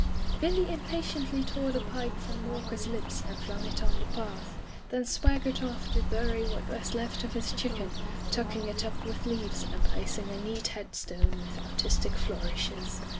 Billy impatiently tore the pipe from Walk er's lips and flung it on the path, then swag gered off to bury what was left of his chicken, tucking it up with leaves and placing a neat headstone with artistic flourishes.